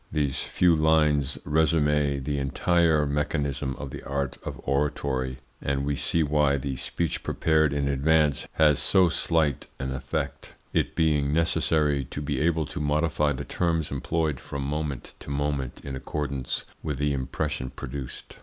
These few lines resume the entire mechanism of the art of oratory, and we see why the speech prepared in advance has so slight an effect, it being necessary to be able to modify the terms employed from moment to moment in accordance with the impression produced.